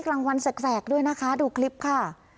กลางวันแสกด้วยนะคะดูคลิปค่ะ